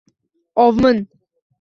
— Ovmin!